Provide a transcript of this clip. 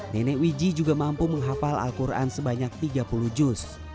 nenek wiji juga mampu menghafal al quran sebanyak tiga puluh juz